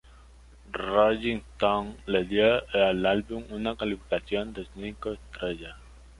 Rolling Stone le dio al álbum una calificación de cinco estrellas.